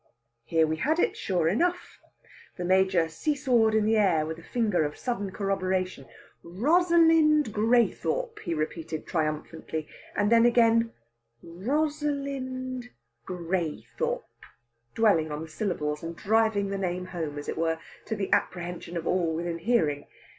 There we had it, sure enough! The Major see sawed in the air with a finger of sudden corroboration. "Rosalind Graythorpe," he repeated triumphantly, and then again, "Ros a lind Graythorpe," dwelling on the syllables, and driving the name home, as it were, to the apprehension of all within hearing.